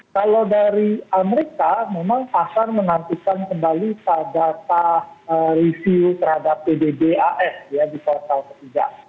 kalau dari amerika memang pasar menantikan kembali pada data review terhadap pdbas ya di kuartal ketiga